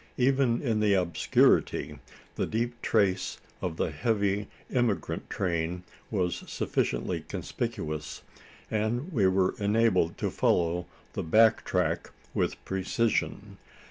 Even in the obscurity, the deep trace of the heavy emigrant train was sufficiently conspicuous; and we were enabled to follow the back track with precision.